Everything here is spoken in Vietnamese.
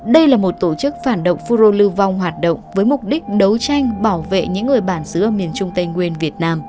đây là một tổ chức phản động phun rô lưu vong hoạt động với mục đích đấu tranh bảo vệ những người bản xứ ở miền trung tây nguyên việt nam